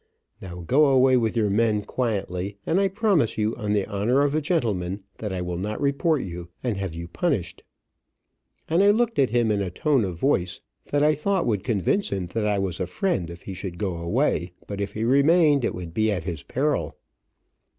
Now go away with your men, quietly, and I promise you, on the honor of a gentleman, that I will not report you, and have you punished," and I looked at him in a tone of voice that I thought would convince him that I was a friend if he should go away, but if he remained it would be at his peril.